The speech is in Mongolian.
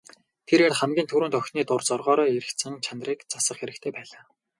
Тэрээр хамгийн түрүүнд охины дур зоргоороо эрх зан чанарыг засах хэрэгтэй байлаа.